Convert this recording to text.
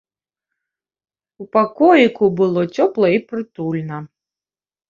У пакоіку было цёпла і прытульна.